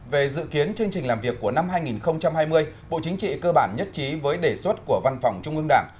về dự kiến chương trình làm việc của năm hai nghìn hai mươi bộ chính trị cơ bản nhất trí với đề xuất của văn phòng trung ương đảng